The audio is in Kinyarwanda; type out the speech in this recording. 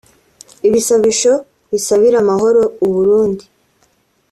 ibisabisho bisabira amahoro u Burundi